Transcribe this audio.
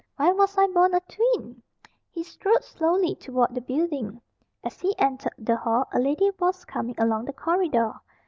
Why was I born a twin?" He strolled slowly toward the building. As he entered the hall a lady was coming along the corridor.